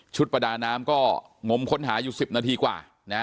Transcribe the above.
ประดาน้ำก็งมค้นหาอยู่๑๐นาทีกว่า